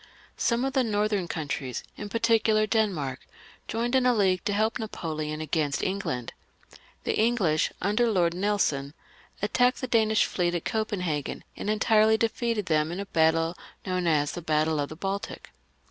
Some of the northern countries, in particular Denmark, joined in a league to help Napoleon against England. The English, under Lord Nelson, attacked the Danish fleet at Copenhagen, and entirely defeated them in a battle known as the Battle of the Baltic.